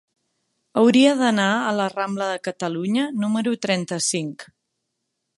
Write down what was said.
Hauria d'anar a la rambla de Catalunya número trenta-cinc.